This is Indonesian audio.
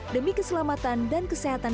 demi keselamatan dan kesehatan